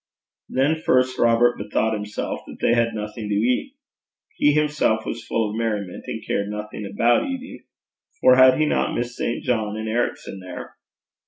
Then first Robert bethought himself that they had nothing to eat. He himself was full of merriment, and cared nothing about eating; for had he not Miss St. John and Ericson there?